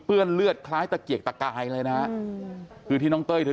เลือดคล้ายตะเกียกตะกายเลยนะฮะคือที่น้องเต้ยเธอ